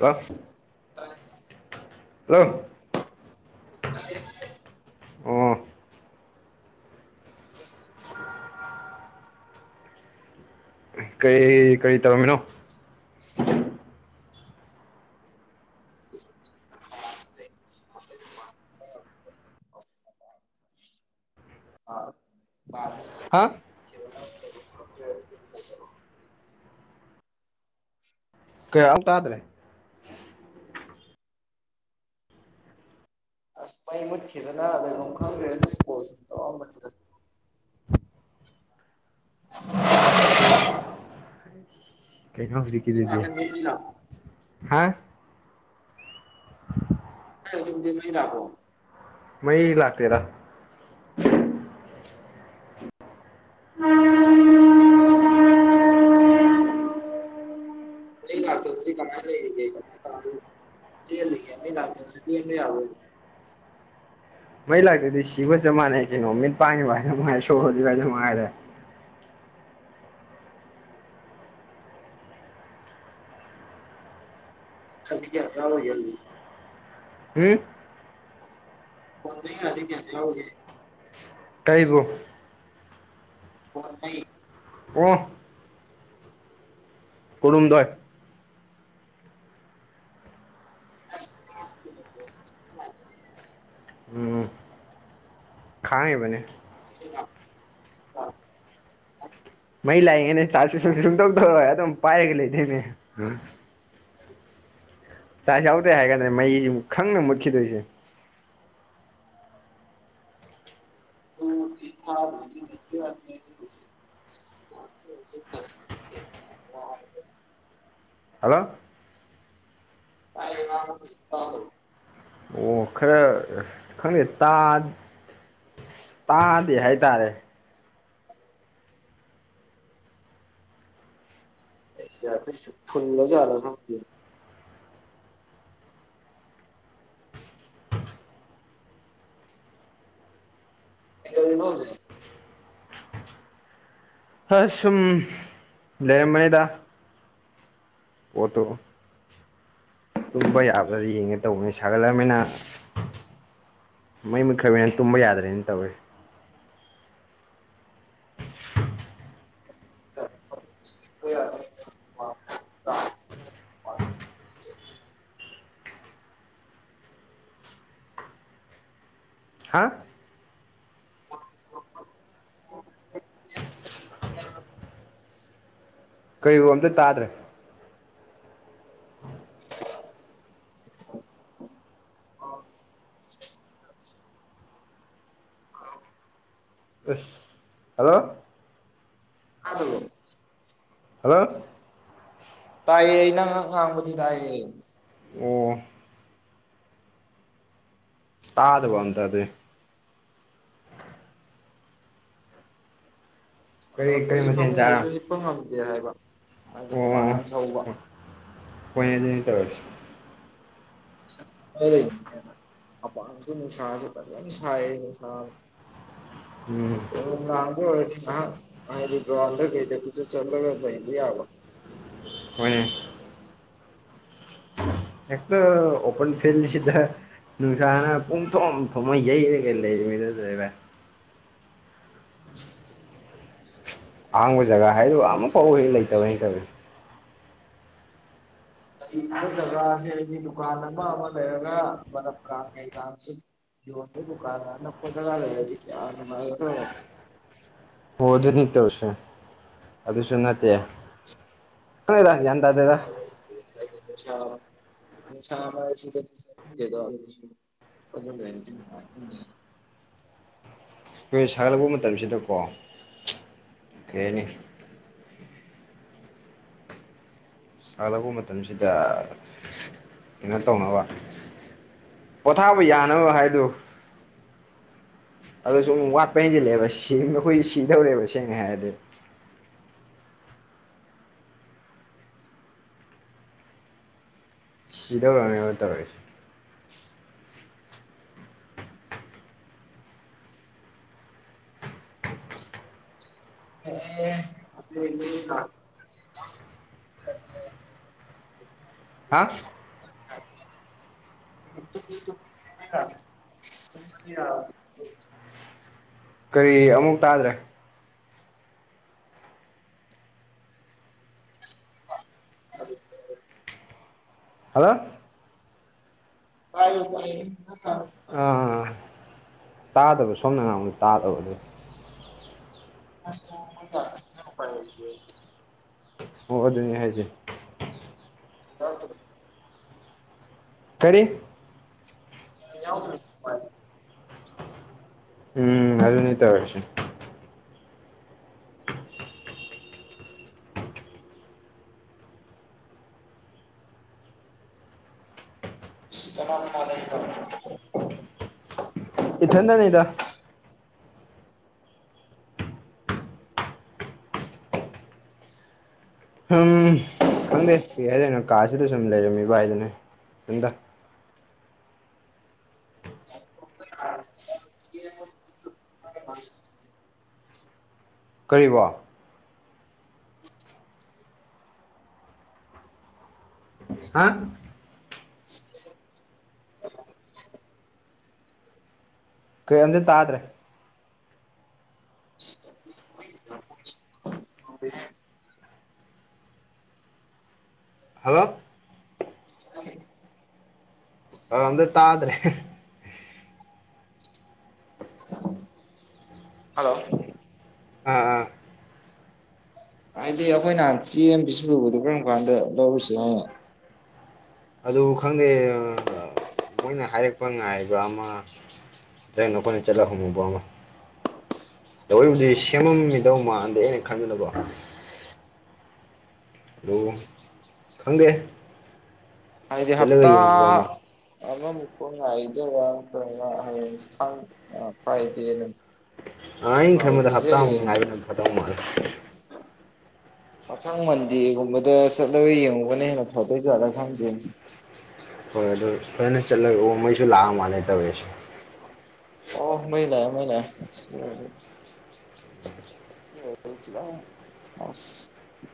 Hello hello [inaudible] ꯑꯣ ꯀꯩ ꯀꯩ ꯇꯧꯔꯝꯃꯤꯅꯣ ꯍꯥꯥ [unintelligible] ꯀꯌꯥ ꯑ ꯇꯥꯗ꯭ꯔꯦ ꯑꯁ ꯃꯩ ꯃꯨꯠꯈꯤꯗꯅ ꯂꯩꯕꯝ ꯈꯪꯗ꯭ꯔꯦ ꯑꯗꯨꯒꯤ ꯀꯣꯜ ꯁꯨꯝ ꯇꯧꯔꯛ ꯑꯝꯕꯅꯤꯗ [inaudible] ꯀꯩꯅꯣ ꯍꯧꯖꯤꯛꯀꯤꯗꯨꯗꯤ ꯂꯥꯛꯀꯅꯤ ꯃꯩ ꯂꯥꯛꯄ ꯍꯥ [inaudible] ꯗꯤꯟꯟ ꯗꯤꯟ ꯃꯩ ꯂꯥꯛꯈꯣ ꯃꯩ ꯂꯥꯛꯇꯦꯗ ꯃꯩ ꯂꯛꯇꯕꯁꯤ ꯀꯃꯥꯏ ꯂꯩꯔꯤꯒꯦ ꯀꯃꯥꯏ ꯀꯍꯥꯏ ꯆꯦꯜ ꯂꯤꯒꯦ [unintelligible] ꯑꯃꯨꯛꯁꯨ ꯇꯦꯟꯕꯥ ꯌꯥꯕ ꯃꯩ ꯂꯥꯛꯇꯗꯤ ꯁꯤꯕꯒ ꯆꯞ ꯃꯥꯟꯅꯩ ꯀꯩꯅꯣ ꯃꯤꯠ ꯄꯥꯡꯉꯤꯕ ꯍꯥꯏꯗꯨ ꯃꯉꯥꯏ ꯁꯣꯔ ꯍꯣꯜꯂꯤꯕ ꯍꯥꯏꯗꯨ ꯃꯉꯥꯏꯔꯦ ꯊꯕꯤ ꯌꯥꯝ ꯀꯥꯎ ꯒꯜꯗꯤ ꯍꯝ ꯑꯣ [unintelligible] ꯌꯥꯎꯔꯤꯒꯦ ꯀꯩꯕꯨ ꯍꯣ ꯅꯩ ꯑꯣ ꯀꯨꯜꯍꯨꯝꯗꯣꯏ [inaudible] ꯊꯥꯔꯤꯕꯅꯦ [unintelligible] ꯃꯩꯁꯨ ꯂꯥꯛꯄ ꯃꯩ ꯂꯥꯛꯏꯉꯩꯅꯦ ꯆꯥꯁꯨ ꯁꯨꯝꯁꯨ ꯁꯨꯡ ꯇꯧꯊꯧꯔꯣꯏ ꯑꯗꯨꯝ ꯄꯥꯏꯔꯒ ꯂꯩꯊꯣꯏꯅꯦ ꯆꯥꯛ ꯌꯥꯎꯗꯦ ꯍꯥꯏ ꯀꯥꯟꯗꯅꯦ ꯃꯩ ꯈꯪꯅ ꯃꯨꯠꯈꯤꯗꯣꯏꯁꯦ [unintelligible] ꯐꯨꯜꯂꯖꯥꯠꯂ ꯍꯜꯂꯣ [unintelligible] ꯑꯣ ꯈꯔ ꯈꯪꯗꯦ ꯇꯥꯗꯦ ꯍꯥꯏꯇꯥꯔꯦ ꯏꯌꯔ ꯄꯤꯁ ꯁꯦ ꯐꯨꯜꯂꯥ ꯖꯠꯂꯥ ꯈꯪꯇꯦ ꯀꯩꯏꯗꯧꯔꯤꯅꯣ ꯍꯧꯖꯤꯛ ꯑ ꯁꯨꯝ ꯂꯩꯔꯝꯕꯅꯤꯗ ꯑꯣꯠꯇꯣ ꯇꯨꯝꯕ ꯌꯥꯕꯔ꯭ꯗꯣ ꯌꯦꯡꯒꯦ ꯇꯧꯕꯅꯤ ꯁꯥꯒꯠꯂꯑꯃꯦꯅ ꯃꯩ ꯃꯨꯠꯈ꯭ꯔꯕꯅꯤꯅ ꯇꯨꯝꯕ ꯌꯥꯗ꯭ꯔꯦꯅ ꯇꯧꯋꯦ ꯇꯥꯗꯕ꯭ꯔꯣ ꯍꯥ ꯀꯩꯕꯨ ꯑꯝꯇ ꯇꯥꯗ꯭ꯔꯦ ꯑꯁ ꯍꯜꯂꯣ [unintelligible] ꯍꯜꯂꯣ ꯇꯥꯏꯌꯦ ꯅꯪ ꯉꯛ ꯉꯥꯡꯕꯗꯤ ꯇꯥꯏꯌꯦ ꯑꯣ ꯇꯥꯗꯕꯗ ꯑꯝꯇꯥ ꯑꯗꯨꯏ ꯀꯔꯤ ꯀꯔꯤ ꯍꯜꯂꯛꯄꯁꯤ ꯃꯊꯦꯜ ꯆꯥꯔ ꯐꯃꯨꯡꯗꯁꯨ ꯍꯤꯞꯄ ꯉꯝꯗꯦ ꯍꯥꯏꯕ ꯍꯥꯏꯗꯤ ꯍꯨꯃꯥꯡ ꯌꯥꯝ ꯁꯧꯕ ꯈꯣꯏ ꯑꯅꯤꯅꯥ ꯇꯧꯔꯤꯁꯦ꯫ [unintelligible] ꯑꯄꯥꯥꯡꯁ ꯅꯨꯡꯁꯥꯁ ꯐꯖꯟꯅꯥ ꯁꯥꯏꯍꯦ ꯅꯨꯡꯁꯖꯨ ꯎꯝ ꯏꯃꯟꯅꯕꯥ ꯑꯣꯏꯔꯗꯤ ꯉꯍꯥ ꯍꯥꯏꯗꯤ ꯒꯔꯎꯟꯗ ꯀꯩꯗꯥ ꯀꯣꯏꯆꯠ ꯆꯠꯂꯒꯥ ꯂꯩꯕꯥ ꯌꯥꯕꯥ ꯍꯣꯏꯅꯦ ꯍꯦꯛꯇ ꯑꯣꯄꯟ ꯐꯤꯜꯁꯤꯗ ꯅꯨꯡꯁꯥꯅ ꯄꯨꯡꯊꯣꯝ ꯊꯣꯛꯃ ꯌꯩꯔꯒ ꯂꯩꯔꯤ [unintelligible] ꯑꯍꯥꯡꯕ ꯖꯒꯥ ꯍꯥꯏꯗꯨ ꯑꯃꯐꯥꯎ ꯍꯦꯛ ꯂꯩꯇꯕ [unintelligible] ꯍꯤꯡꯉꯤꯕ ꯖꯒꯥꯁꯦ ꯍꯥꯏꯗꯤ ꯗꯨꯀꯥꯟ ꯑꯃ ꯑꯃ ꯂꯩꯔꯒ ꯕꯥꯂꯞ ꯀꯥ ꯀꯩ ꯀꯥꯁꯤ ꯗꯨ ꯀꯥꯟ ꯑꯅꯥꯛꯄꯗ ꯂꯩꯔꯗꯤ ꯀꯌꯥ ꯅꯨꯉꯥꯏꯒꯗꯦ ꯍꯣ ꯑꯗꯨꯅꯤ ꯇꯧꯁꯦ ꯑꯗꯨꯁꯨ ꯅꯠꯇꯦ ꯈꯪꯗꯦꯗ ꯒ꯭ꯌꯥꯟ ꯇꯥꯗꯦꯗ [unintelligible] [unintelligible] ꯈꯣꯏ ꯁꯥꯒꯠꯂꯛꯄ ꯃꯇꯝꯁꯤꯗꯀꯣ ꯀꯩ ꯍꯥꯏꯅꯤ ꯁꯒꯠꯂꯛꯄ ꯃꯇꯝꯁꯤꯗ ꯀꯩꯅꯣ ꯇꯧꯅꯕ ꯄꯣꯊꯥꯕ ꯌꯥꯅꯕ ꯍꯥꯏꯗꯣ ꯑꯗꯣꯁꯨꯝ ꯋꯥꯠꯄ ꯍꯦꯟꯖꯤꯜꯂꯛꯑꯦꯕ ꯁꯤꯕꯅꯥ ꯈꯣꯏ ꯁꯤꯗꯧꯔꯦꯕ ꯁꯦꯡꯅ ꯍꯥꯏꯔꯗꯤ ꯁꯤꯗꯧꯔꯥꯃꯦꯕ ꯇꯧꯔꯤꯁꯦ [unintelligible] [inaudible] ꯍꯥꯥ [unintelligible] [unintelligible] ꯀꯔꯤ ꯑꯃꯨꯛ ꯇꯥꯗ꯭ꯔꯦ [unintelligible] ꯍꯥꯜꯂꯣ ꯇꯏꯌꯦ ꯇꯏꯌꯦ [unintelligible] ꯑꯥ ꯇꯥꯗꯕ ꯁꯣꯝꯅ ꯉꯥꯡꯕꯗꯨ ꯇꯥꯗꯕ ꯑꯗꯨꯏ [unintelligible] ꯑꯣ ꯑꯗꯨꯅꯦ ꯍꯥꯏꯁꯦ [unintelligible] ꯀꯔꯤ [unintelligible] ꯎꯝ ꯑꯗꯨꯅꯤ ꯇꯧꯔꯤꯁꯤ [unintelligible] ꯏꯊꯟꯗꯅꯤꯗ ꯎꯝ ꯈꯪꯗꯦ ꯀꯩ ꯍꯥꯏꯗꯣꯏꯅꯣ ꯀꯥꯁꯤꯗ ꯁꯨꯝ ꯂꯩꯔꯝꯃꯤꯕ ꯍꯥꯏꯗꯨꯅꯦ ꯁꯟꯗ [unintelligible] [unintelligible] ꯀꯔꯤꯕꯣ ꯍꯥ ꯀꯔꯤꯝꯇꯥ ꯇꯥꯗ꯭ꯔꯦ [inaudible] ꯍꯜꯂꯣ ꯑꯝꯇ ꯇꯥꯗ꯭ꯔꯦ ꯍꯜꯂꯣ ꯑꯥ ꯑꯥ ꯍꯥꯏꯗꯤ ꯑꯩꯈꯣꯏ ꯅꯍꯥꯟ ꯆꯦꯕꯤꯁꯤꯜꯂꯨꯕꯗꯣ ꯀꯔꯝ ꯀꯥꯟꯗ ꯂꯧꯔꯨꯁꯤ ꯑꯗꯨ ꯈꯪꯗꯦ ꯃꯣꯏꯅ ꯍꯥꯏꯔꯛꯄ ꯉꯥꯏꯕ ꯑꯃ ꯗ꯭ꯔ ꯅꯈꯣꯏꯅ ꯆꯠꯂꯍꯪꯉꯨꯕ ꯑꯃ ꯇꯧꯔꯤꯕꯗꯤ ꯁꯦꯝꯃꯝꯃꯤꯗꯧ ꯃꯥꯥꯟꯗ ꯑꯩꯅ ꯈꯟꯕꯗꯕ ꯑꯣ ꯐꯪꯗꯦ ꯍꯥꯏꯗꯤ ꯍꯞꯇꯥ ꯑꯃꯃꯨꯛꯀꯣ ꯉꯥꯏꯗꯔ ꯍꯌꯦꯡ ꯊꯥꯡꯖꯥ ꯐ꯭ꯔꯥꯏꯗꯦꯅ ꯑ ꯑꯩꯅ ꯈꯟꯕꯗ ꯍꯞꯇꯥ ꯉꯥꯏꯕꯅ ꯐꯗꯧ ꯃꯥꯜꯂꯦ ꯃꯊꯪ ꯃꯟꯗꯦꯒꯨꯝꯕꯗ ꯆꯠꯂꯒ ꯌꯦꯡꯉꯨꯕꯅ ꯍꯦꯟꯅ ꯐꯗꯣꯏ ꯆꯥꯠꯂ ꯈꯪꯗꯦ ꯍꯣꯏ ꯑꯗꯨ ꯐꯖꯅ ꯆꯠꯂꯒ ꯑꯣ ꯃꯩꯁꯨ ꯂꯥꯛꯑ ꯃꯥꯜꯂꯦ ꯇꯧꯔꯛꯁꯦ ꯑꯣ ꯃꯩ ꯂꯥꯛꯑ° ꯃꯩ ꯂꯥꯛꯑ° ꯁꯑꯤ ꯑꯣꯏ ꯔꯗꯤ ꯑ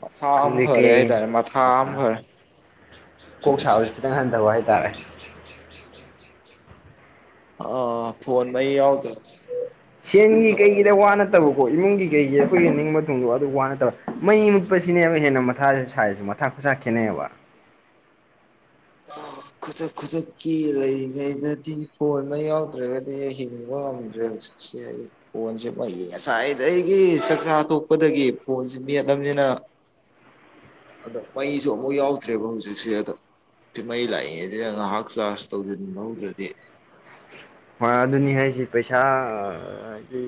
ꯃꯊꯥ ꯑꯃ ꯈꯪꯗꯦ ꯐꯔꯦ ꯀꯩ ꯍꯥꯏꯇꯥꯔꯦ ꯃꯊꯥ ꯑꯃ ꯐꯔꯦ ꯀꯣꯛ ꯁꯥꯕꯁꯤ ꯈꯤꯇꯪ ꯍꯟꯊꯕ ꯍꯥꯏꯇꯥꯔꯦ ꯑꯥ ꯐꯣꯟ ꯃꯩ ꯌꯥꯎꯗꯕ ꯁꯦꯟꯒꯤ ꯌꯥꯝ ꯀꯩꯒꯤꯗ ꯋꯥ ꯅꯨꯡꯉꯥꯏꯔꯛꯇꯕ ꯅꯠꯇꯕꯀꯣ ꯏꯃꯨꯡꯒꯤ ꯀꯩꯒꯤ ꯑꯩꯈꯣꯏꯒꯤ ꯅꯤꯡꯕ ꯊꯨꯡꯗꯣ ꯑꯗꯨ ꯋꯥꯅꯠꯇꯧꯋꯦ ꯃꯩ ꯃꯨꯠꯄꯁꯤꯅꯦꯕ ꯍꯦꯟꯅ ꯃꯊꯥꯦ ꯁꯥꯏꯁꯨ ꯃꯊꯥ ꯈꯨꯠꯊꯥ ꯈꯦꯠꯅꯩꯑꯕ [unintelligible] ꯈꯨꯁꯛ ꯈꯨꯁꯛꯀꯤ ꯂꯩꯔꯤꯉꯩꯗꯗꯤ ꯐꯣꯟꯅ ꯌꯥꯎꯗ꯭ꯔꯒꯗꯤ ꯍꯤꯡꯕ ꯉꯝꯗ꯭ꯔꯦ ꯍꯧꯖꯤꯛ ꯁꯤ ꯐꯣꯟꯁꯦ ꯐꯌꯦ ꯉꯁꯥꯏꯗ ꯑꯩꯒꯤ ꯆꯥꯛꯆꯥ ꯊꯣꯛꯣꯛꯄꯗꯒꯤ ꯐꯣꯟꯁꯦ ꯃꯦꯠꯂꯝꯕꯅꯤꯅ ꯑꯗ ꯃꯩꯁꯨ ꯑꯃꯨꯛ ꯌꯥꯎꯗ꯭ꯔꯦꯕ ꯍꯧꯖꯤꯛꯁꯦ ꯑꯗ ꯃꯩ ꯂꯥꯛꯏꯉꯗꯤ ꯅ ꯉꯥꯏꯍꯥꯛ ꯆꯥꯔꯖ ꯇꯧꯁꯤ ꯂꯧꯗ꯭ꯔꯗꯤ ꯑꯗꯨꯅꯤ ꯍꯥꯏꯁꯤ ꯄꯩꯁꯥ ꯍꯥꯏꯗꯤ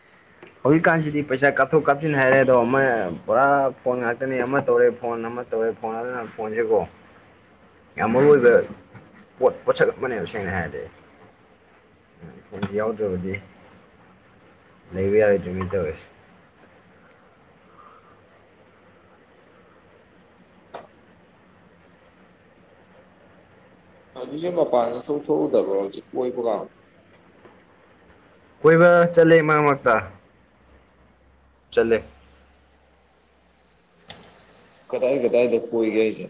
[inaudible] ꯍꯧꯖꯤꯛꯀꯥꯟꯁꯤꯗꯤ ꯄꯩꯁꯥ ꯀꯥꯞꯊꯣꯛ ꯀꯥꯞꯁꯤꯟ ꯍꯥꯏꯔꯦ ꯑꯗꯣ ꯑꯃ ꯄꯨꯔꯥ ꯐꯣꯟ ꯉꯥꯛꯇꯅꯦ ꯑꯃ ꯇꯧꯔꯦ ꯐꯣꯟ ꯑꯃ ꯇꯧꯔ ꯐꯣꯟꯉꯜꯗꯅ ꯐꯣꯟꯁꯤꯕꯣ ꯌꯥꯝ ꯃꯔꯨ ꯑꯣꯏꯕ ꯄꯣꯠ ꯄꯣꯠꯁꯛꯛ ꯑꯃꯅꯦꯕ ꯁꯦꯡꯅ ꯍꯥꯏꯔꯗꯤ ꯑꯖꯤ ꯌꯥꯎꯗ꯭ꯔꯕꯗꯤ ꯂꯩꯕ ꯌꯥꯔꯣꯏ ꯑꯗꯨꯃꯥꯏꯅ ꯇꯧꯔꯁꯦ ꯍꯧꯖꯤꯛꯁꯦ ꯃꯄꯥꯟꯗ ꯊꯣꯛꯊꯣꯛꯎꯗꯕ꯭ꯔꯣ ꯍꯧꯖꯤꯛ ꯀꯣꯏꯕꯒ ꯀꯣꯏꯕ ꯆꯠꯂꯦ ꯃꯥꯔꯛ ꯃꯥꯔꯛ ꯇ ꯆꯠꯂꯦ ꯀꯗꯥꯏ ꯀꯗꯥꯏꯗ ꯀꯣꯏꯒꯦꯁꯦ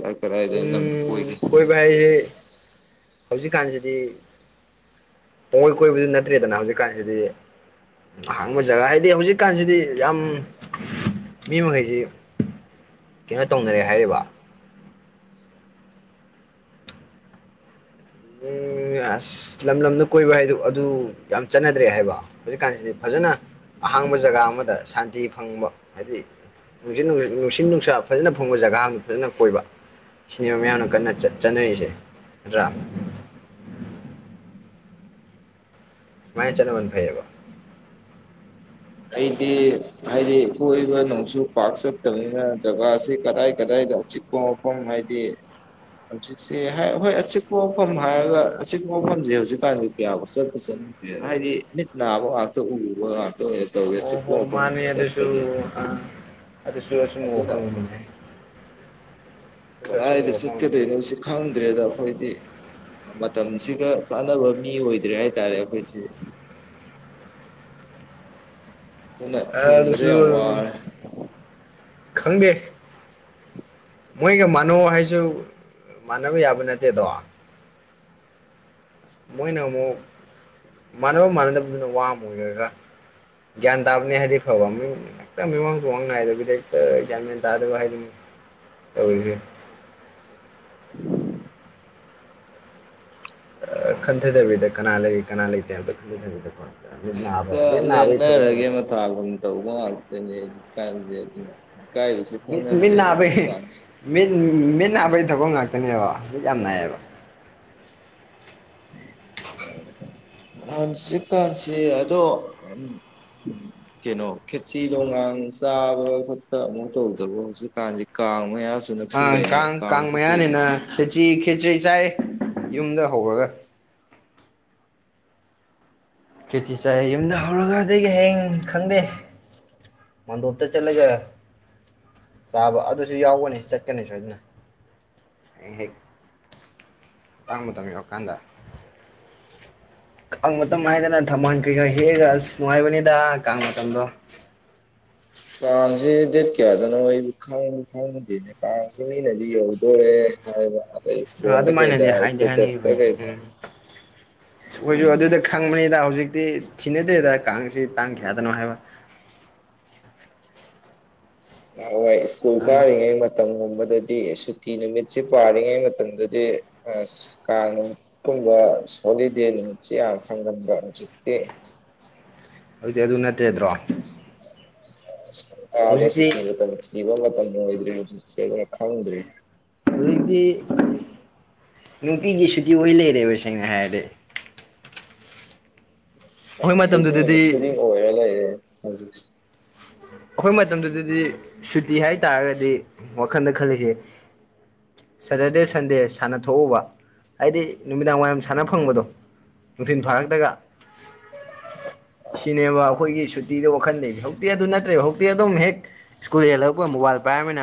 ꯀ ꯀꯗꯥꯏꯗ ꯅꯅ ꯀꯣꯏꯒꯦ ꯍꯥꯏꯌꯦ ꯍꯧꯖꯤꯛꯀꯥꯟꯁꯤꯗꯤ ꯄꯨꯡꯀꯣꯏ ꯀꯣꯏꯕꯗꯨ ꯅꯠꯇ꯭ꯔꯦꯗꯅ ꯍꯧꯖꯤꯛꯀꯥꯟꯁꯤꯗꯤ ꯑꯍꯥꯡꯕ ꯖꯒꯥ ꯍꯥꯏꯗꯤ ꯍꯧꯖꯤꯛꯀꯥꯟꯁꯤꯗꯤ ꯌꯥꯝ ꯃꯤ ꯃꯈꯩꯁꯤ ꯀꯩꯅꯣ ꯇꯧꯅꯔꯦ ꯍꯥꯏꯔꯤꯕ ꯎꯝ ꯑꯥꯁ ꯂꯝ ꯂꯝꯗ ꯀꯣꯏꯕ ꯍꯥꯏꯗꯨ ꯑꯗꯨ ꯌꯥꯝ ꯆꯠꯅꯗ꯭ꯔꯦ ꯍꯥꯏꯕ ꯍꯧꯖꯤꯛꯀꯥꯟꯁꯤꯗꯤ ꯐꯖꯅꯥ ꯑꯍꯥꯡꯕ ꯖꯒꯥ ꯑꯃꯗ ꯁꯥꯟꯇꯤ ꯐꯪꯕ ꯍꯥꯏꯗꯤ ꯅꯨꯡꯁꯤꯠ ꯅꯨꯡꯁꯤꯠ ꯅꯨꯡꯁꯤꯠ ꯅꯨꯡꯁꯥ ꯐꯖꯅ ꯐꯪꯕ ꯖꯒꯥ ꯑꯃ ꯐꯖꯅ ꯀꯣꯏꯕ ꯁꯤꯅꯦꯕ ꯃꯌꯥꯝꯅ ꯀꯟꯅ ꯆꯠ ꯆꯅꯔꯤꯁꯦ ꯅꯠꯇ꯭ꯔꯥ ꯁꯨꯃꯥꯏꯅ ꯆꯠꯅꯕꯅ ꯐꯩꯌꯦꯕ ꯑꯩꯗꯤ ꯍꯥꯏꯗꯤ ꯀꯣꯏꯕ ꯅꯣꯡꯁꯨꯨ ꯄꯥꯛ ꯆꯠꯇꯕꯅꯤꯅ ꯖꯒꯥꯁꯤ ꯀꯗꯥꯏ ꯀꯗꯥꯏꯗꯤ ꯑꯆꯤꯛ ꯄꯨꯝꯈꯣꯡ ꯍꯥꯏꯗꯤ ꯍꯧꯖꯤꯛꯁꯤ ꯍꯥꯏ ꯍꯣꯏ ꯑꯆꯤꯛꯄ ꯃꯐꯝ ꯍꯥꯏꯔꯒ ꯑꯆꯤꯛꯄ ꯃꯐꯝꯁꯤ ꯍꯧꯖꯤꯛꯀꯥꯟꯗꯤ ꯀꯌꯥꯕꯨ ꯆꯠꯄꯨ ꯆꯠꯅꯤ ꯍꯥꯏꯗꯤ ꯃꯤꯠ ꯅꯥꯕ ꯉꯥꯛꯇ ꯎꯕ ꯉꯥꯛꯇ ꯑꯣꯏꯅ ꯇꯧꯒꯦ ꯁꯤ ꯑꯣ ꯀꯣ ꯍꯣ ꯃꯐꯝ ꯃꯥꯅꯦ ꯑꯗꯨꯁꯨ ꯆꯠꯄꯁꯦ ꯑꯥ ꯑꯗꯨꯁꯨ ꯑꯆꯨꯝꯕ ꯑꯗꯨꯅ ꯋꯥꯐꯝ ꯑꯃꯥꯅꯤ ꯀꯗꯥꯏꯗ ꯑꯃꯅꯦ ꯆꯠꯀꯗꯣꯏꯅꯣ ꯁꯤ ꯈꯪꯗ꯭ꯔꯦꯗ ꯑꯩꯈꯣꯏꯗꯤ ꯃꯇꯝꯁꯤꯒ ꯆꯥꯟꯅꯕ ꯃꯤ ꯑꯣꯏꯗ꯭ꯔꯦ ꯍꯥꯏꯇꯥꯔꯦ ꯑꯩꯈꯣꯏꯁꯤ ꯑꯗꯨꯅ ꯑꯥ ꯍꯤꯡꯕꯗ ꯑꯗꯨꯁꯨ ꯌꯥꯝ ꯑꯗꯨꯝ ꯋꯥꯔꯦ ꯈꯪꯗꯦ ꯃꯣꯏꯒ ꯃꯥꯟꯅꯧ ꯍꯥꯏꯁꯨ ꯃꯥꯟꯅꯕ ꯌꯥꯕ ꯅꯠꯇꯦꯗꯣ ꯃꯣꯏꯅ ꯑꯃꯨꯛ ꯃꯥꯟꯅꯕ ꯃꯥꯟꯅꯗꯕꯗꯨꯅ ꯋꯥ ꯑꯃ ꯑꯣꯏꯔꯒ ꯒꯥ꯭ꯟ ꯗꯥꯥꯕꯅꯤ ꯍꯥꯏꯗꯤ ꯐꯕꯥ ꯃꯤ ꯃꯤꯃꯥꯡ ꯇꯨꯃꯥꯡ ꯅꯥꯏꯗꯕꯤ ꯍꯦꯛꯇ ꯒ꯭ꯌꯥꯟ ꯃꯦꯟ ꯇꯗꯕ ꯍꯥꯏꯗꯨꯅꯤ ꯇꯧꯔꯤꯖꯦ ꯫ ꯈꯟꯊꯗꯕꯤꯗ ꯀꯅꯥ ꯂꯩ ꯀꯅꯥ ꯂꯩꯇꯦ ꯍꯥꯏꯕꯗꯣ ꯈꯟꯊꯗꯕꯤꯗꯀꯣ ꯅꯥꯕ ꯃꯤꯠ ꯅꯥꯕꯩ ꯊꯕꯛꯁꯤ ꯥꯒꯨꯝ ꯇꯧꯕ ꯉꯥꯛꯇꯅꯦ ꯍꯧꯖꯤꯛꯀꯥꯟꯁꯦ ꯀꯥꯏꯁꯦ ꯃꯤꯠ ꯃꯤꯠ ꯉꯥꯡꯅꯥꯗ꯭ꯔꯦ ꯅꯥꯕꯒꯤ ꯍꯧꯖꯤꯛꯀꯟꯁꯦ ꯃꯤꯠ ꯃꯠ ꯅꯥꯕꯒꯤ ꯊꯕꯛ ꯉꯥꯛꯇꯅꯦꯕ ꯍꯧꯖꯤꯛ ꯌꯥꯝ ꯅꯥꯏꯌꯦꯕ ꯍꯥꯟꯁꯤ ꯀꯥꯟꯁꯤ ꯑꯗꯣ ꯎꯝ ꯀꯩꯅꯣ ꯈꯦꯠꯆ ꯣꯒꯥꯡ ꯆꯥꯕ ꯈꯣꯠꯄ ꯑꯃꯨꯛ ꯇꯧꯗ꯭ꯔꯕ ꯍꯧꯖꯤꯛꯀꯥꯟꯁꯦ ꯀꯥꯡ ꯃꯌꯥ ꯑꯥ ꯀꯥꯡ- ꯀꯥꯡ ꯃꯌꯥꯅꯤꯅ ꯈꯦꯆꯔꯤ ꯈꯦꯆ꯭ꯔꯤ ꯆꯥꯏ ꯌꯨꯝꯗ ꯍꯧꯔꯒ ꯀꯦꯊꯤ ꯆꯥꯏ ꯌꯨꯝꯗ ꯍꯧꯔꯒꯗꯒꯤ ꯍꯌꯦꯡ ꯈꯪꯗꯦ ꯃꯥꯗꯔꯇ ꯆꯠꯂꯥꯒ ꯆꯥꯕ ꯑꯗꯨꯁꯨ ꯌꯥꯎꯒꯅꯤ ꯆꯠꯀꯅꯤ ꯁꯣꯏꯗꯅ ꯑꯩ ꯍꯦꯛ ꯇꯥꯡ ꯃꯇꯝ ꯌꯧꯔꯀꯥꯟꯗ ꯀꯥꯡ ꯃꯇꯝ ꯍꯥꯏꯗꯅ ꯊꯝꯕꯥꯜꯈ꯭ꯔꯤꯒ ꯍꯦꯛꯒ ꯑꯁ ꯅꯨꯡꯉꯥꯏꯕꯅꯤꯗ ꯀꯥꯡ ꯃꯇꯝꯗꯣ ꯀꯥꯡꯁꯦ ꯗꯦꯠ ꯀꯌꯥꯗꯅꯣ ꯑꯩꯣꯏꯕꯨ ꯈꯪ ꯈꯪꯉꯨꯗꯦꯅꯦ ꯀꯥꯡꯁꯦ ꯃꯤꯅꯗꯤ ꯌꯧꯗꯣꯔꯦ ꯐꯣꯟꯗ ꯈꯩꯗ ꯑꯗꯨꯃꯥꯏꯅꯗꯤ ꯍꯥꯏꯗꯤ ꯏꯁꯇꯦꯇꯁ ꯇ ꯍꯥꯏꯅꯈꯤꯕꯅꯦ ꯈꯩꯗ ꯎꯝ ꯑꯩꯈꯣꯏꯁꯨ ꯑꯗꯨꯗ ꯈꯪꯕꯅꯤꯗ ꯍꯧꯖꯤꯛꯇꯤ ꯊꯤꯅꯗ꯭ꯔꯦꯗ ꯀꯥꯡꯁꯤ ꯇꯥꯡ ꯀꯌꯥꯗꯅꯣ ꯍꯥꯏꯕ ꯍꯣꯏ ꯁꯀꯨꯜ ꯎꯝ ꯀꯥꯔꯤꯉꯩ ꯃꯇꯝꯒꯨꯝꯕꯗꯗꯤ ꯁꯨꯇꯤ ꯅꯨꯃꯤꯠꯁꯤꯦ ꯄꯥꯔꯤꯉꯩ ꯃꯇꯝꯗꯗꯤ ꯑꯁ ꯀꯥꯡ ꯀꯨꯝꯕ ꯍꯣꯂꯤꯗꯦꯗꯨꯃꯤꯠꯁꯤ ꯌꯥꯝ ꯐꯪꯒꯟꯕ ꯍꯧꯖꯤꯛꯇꯤ ꯍꯧꯖꯤꯛꯇꯤ ꯑꯗꯨ ꯅꯠꯇꯦꯗ꯭ꯔꯣ ꯀꯥꯕꯁꯨ ꯍꯧꯖꯤꯛꯇꯤ ꯊꯤꯕ ꯃꯇꯝ ꯊꯤꯕ ꯃꯇꯝ ꯑꯣꯏꯗ꯭ꯔꯦ ꯍꯧꯖꯤꯛꯁꯦ ꯑꯗꯨꯅ ꯈꯪꯗ꯭ꯔꯦ ꯍꯧꯖꯤꯛꯇꯤ ꯅꯨꯡꯇꯤꯒꯤ [unintelligible] ꯍꯥꯏꯔꯗꯤ ꯑꯩꯈꯣꯏ ꯍꯎꯧꯖꯤꯛꯁꯦ ꯃꯇꯝꯗꯨꯗꯗꯤ ꯅꯨꯃꯤꯠ ꯈꯨꯗꯤꯡ ꯑꯣꯏꯔ ꯂꯩꯔꯦ ꯍꯧꯖꯤꯛꯁꯦ ꯑꯩꯈꯣꯏ ꯃꯇꯝꯗꯨꯗꯗꯤ ꯁꯨꯇꯤ ꯍꯥꯏꯇꯥꯥꯔꯒꯗꯤ ꯋꯥꯈꯜꯗ ꯈꯜꯂꯤꯁꯦ ꯁꯦꯇꯔꯗꯦ ꯁꯟꯗꯦ ꯁꯥꯟꯅꯊꯣꯛꯎꯕ ꯍꯥꯏꯗꯤ ꯅꯨꯃꯤꯗꯥꯡ ꯋꯥꯏꯔꯝ ꯁꯥꯟꯅ ꯐꯪꯕꯗꯣ ꯅꯨꯡꯊꯤꯜ ꯐꯥꯔꯛꯇꯒ ꯁꯤꯅꯦꯕꯥ ꯑꯩꯈꯣꯏꯒꯤ ꯁꯨꯇꯤꯗ ꯋꯥꯈꯜ ꯂꯩ [unintelligible] ꯅꯠꯇ꯭ꯔꯦ ꯍꯧꯖꯤꯛꯇꯤ ꯑꯗꯨꯝ ꯍꯦꯛ ꯁ꯭ꯀꯨꯜ ꯍꯜꯂꯛꯄ ꯃꯣꯕꯥꯏꯜ ꯄꯥꯏꯔꯃꯤ